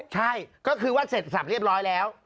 ใช่ก็คือว่าเสร็จสับเรียบร้อยแล้ว